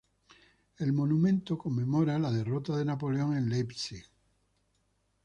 El monumento conmemora la derrota de Napoleón en Leipzig.